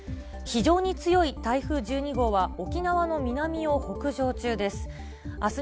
非常に強い台風１２号は、沖縄の南を北上中です。